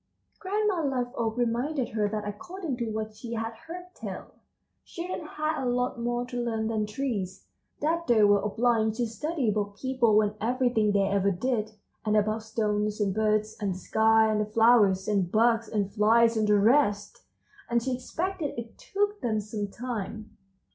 Grandma Liveoak reminded her that according to what she had heard tell, children had a lot more to learn than trees; that they were obliged to study about people and everything they ever did, and about stones and birds and the sky and the flowers, and bugs and flies and the rest, and she expected it took them some time.